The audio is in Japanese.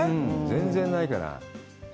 全然ないから。